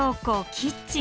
キッチン